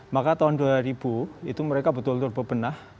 maka tahun dua ribu itu mereka betul betul bebenah